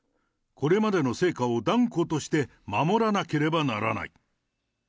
これまでの成果を断固として守らなければならない。